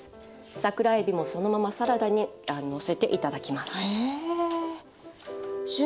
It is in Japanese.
桜えびもそのままサラダにのせて頂きます。